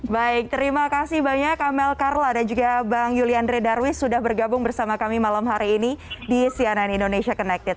baik terima kasih banyak amel karla dan juga bang yuli andre darwis sudah bergabung bersama kami malam hari ini di cnn indonesia connected